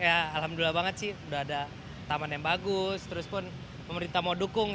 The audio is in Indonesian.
alhamdulillah banget sih udah ada taman yang bagus terus pun pemerintah mau dukung